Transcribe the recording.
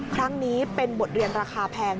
ครั้งนี้เป็นบทเรียนราคาแพง